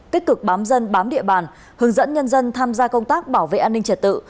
tích cực bám dân bám địa bàn hướng dẫn nhân dân tham gia công tác bảo vệ an ninh trật tự